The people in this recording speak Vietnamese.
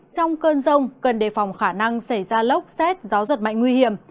trong cơn rông cần đề phòng khả năng xảy ra lốc xét gió giật mạnh nguy hiểm